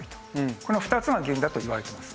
この２つが原因だといわれてます。